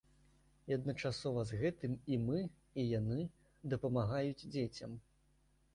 І адначасова з гэтым, і мы, і яны дапамагаюць дзецям.